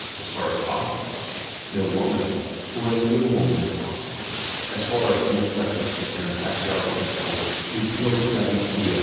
as far as pos sible, no woman, or as little woman as possible; as far as the intellect is concerned, Pascal's principle, "il jaut s'abetir."